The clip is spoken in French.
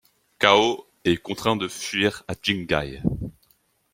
Cao est contraint de fuir à Jinghai.